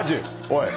おい。